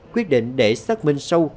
quyết định để xác minh sâu